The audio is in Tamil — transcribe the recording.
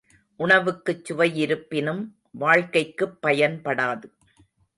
உணவுக்குச் சுவையிருப்பினும் வாழ்க்கைக்குப் பயன்படாது.